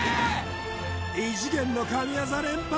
異次元の神業連発！